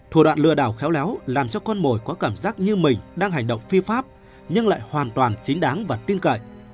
thủ đoạn lừa đảo khéo léo làm cho con mồi có cảm giác như mình đang hành động phi pháp nhưng lại hoàn toàn chính đáng và tin cậy